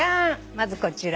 まずこちら。